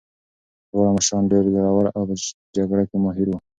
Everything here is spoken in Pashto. دواړه مشران ډېر زړور او په جګړه کې ماهر وو.